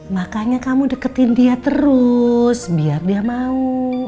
makanya kamu deketin dia terus biar dia mau